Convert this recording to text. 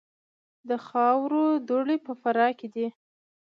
د خاورو دوړې په فراه کې دي